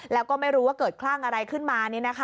แล้วก็ไม่รู้ว่าเกิดคลั่งอะไรขึ้นมา